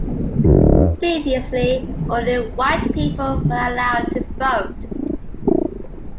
Previously, only white people were allowed to vote.